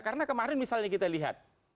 karena kemarin misalnya kita lihat